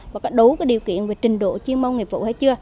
và có đủ cái điều kiện về trình độ chuyên môn nghiệp vụ hay chưa